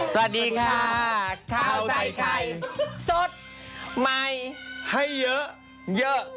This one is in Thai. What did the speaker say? สวัสดีค่ะข้าวใส่ไข่สดใหม่ให้เยอะเยอะ